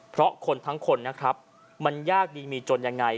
เพราะคนทั้งคนนะครับมันยากดีมีจนยังไง